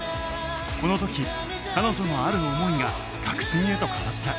この時彼女のある思いが確信へと変わった